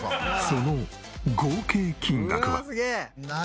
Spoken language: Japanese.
その合計金額は。